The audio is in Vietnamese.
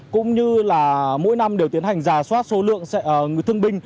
cũng như là mỗi năm đều tiến hành giả soát số lượng người thương binh